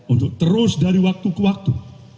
untuk terus dari waktu ke waktu